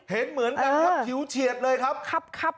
เห็นเหมือนกันครับผิวเฉียดเลยครับ